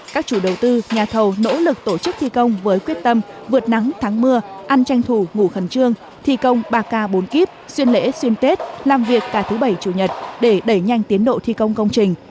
các chủ đầu tư nhà thầu nỗ lực tổ chức thi công với quyết tâm vượt nắng thắng mưa ăn tranh thủ ngủ khẩn trương thi công ba k bốn k xuyên lễ xuyên tết làm việc cả thứ bảy chủ nhật để đẩy nhanh tiến độ thi công công trình